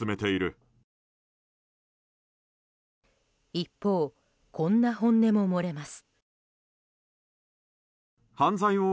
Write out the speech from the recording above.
一方、こんな本音も漏れます。